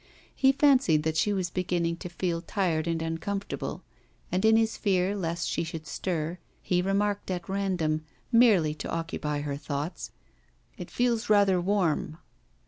He fancied that she was beginning to feel tired and uncomfortable, and in his fear lest she should stir, he remarked at random, merely to occupy her thoughts, 'It feels rather warm.